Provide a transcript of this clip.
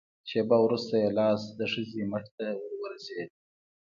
شېبه وروسته يې لاس د ښځې مټ ته ور ورسېد.